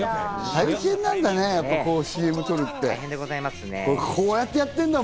大変なんだね、ＣＭ撮るって。